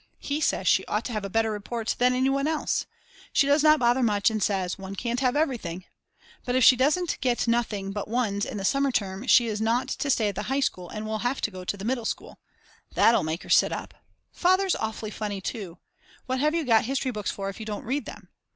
_ He says she ought to have a better report than any one else. She does not bother much and says: One can't have everything. But if she doesn't get nothing but ones in the summer term she is not to stay at the high school and will have to go to the middle school. That'll make her sit up. Father's awfully funny too: What have you got history books for, if you don't read them?